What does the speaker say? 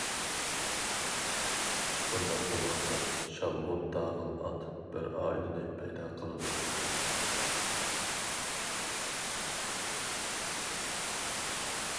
بۇنداق بولغاندا شالغۇت تاغىل ئات بىر ئائىلىنى پەيدا قىلىدۇ.